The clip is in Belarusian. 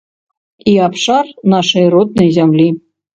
І абшар нашай роднай зямлі.